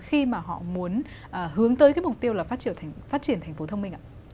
khi mà họ muốn hướng tới cái mục tiêu là phát triển thành phố thông minh ạ